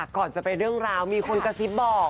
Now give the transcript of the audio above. ก่อนจะเป็นเรื่องราวมีคนกระซิบบอก